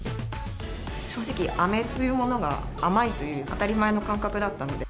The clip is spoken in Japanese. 正直、あめというものが甘いという、当たり前の感覚だったので。